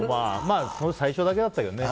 最初だけだったけどね。